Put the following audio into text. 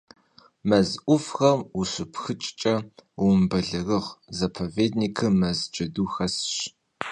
Мэз Ӏувхэм ущыпхыкӀкӀэ умыбэлэрыгъ, заповедникым мэз джэду хэсщ.